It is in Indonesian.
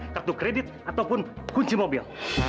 kartu kredit ataupun kunci mobil